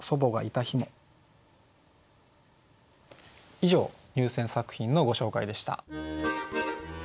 以上入選作品のご紹介でした。